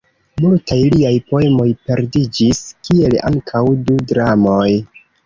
Multaj liaj poemoj perdiĝis, kiel ankaŭ du dramoj.